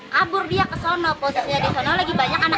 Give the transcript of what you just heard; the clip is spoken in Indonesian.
kabur dia ke sono posisinya di sono lagi banyak anak anak